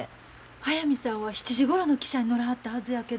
速水さんは７時ごろの汽車に乗らはったはずやけど。